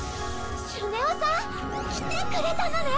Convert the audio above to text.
スネ夫さん！？来てくれたのね！